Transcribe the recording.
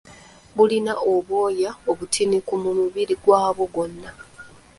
Bulina obwoya obutini ku mubiri gwabwo gwonna